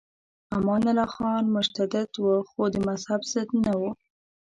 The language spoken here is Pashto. امان الله خان متجدد و خو د مذهب ضد نه و.